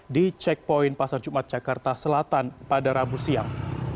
di checkpoint pasar jumat jakarta selatan pada rabu siang